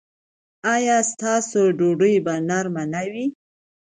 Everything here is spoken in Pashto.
ایا ستاسو ډوډۍ به نرمه نه وي؟